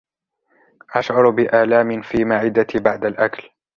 أشعر بآلام في معدتي بعد الأكل.